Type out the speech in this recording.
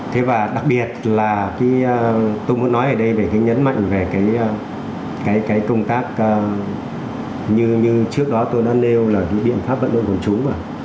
thế và đặc biệt là tôi muốn nói ở đây về cái nhấn mạnh về cái công tác như trước đó tôi đã nêu là những biện pháp vận động quân chúng